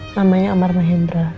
namanya amar mahendra